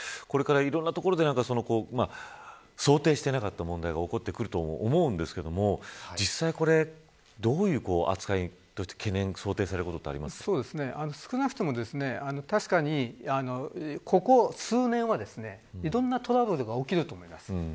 これから、いろんなところで想定していなかった問題が起こってくると思うんですけど実際、これどういう扱いとして懸念が少なくとも確かにここ数年はですねいろんなトラブルが起きると思います。